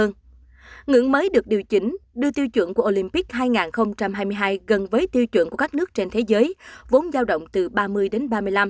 ngưỡng mới được điều chỉnh đưa tiêu chuẩn của olympic hai nghìn hai mươi hai gần với tiêu chuẩn của các nước trên thế giới vốn giao động từ ba mươi đến ba mươi năm